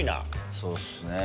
そうっすね。